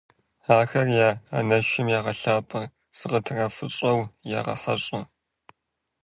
Ахэр я анэшым ягъэлъапӀэ, зыкытрафыщӀэу ягъэхьэщӀэ.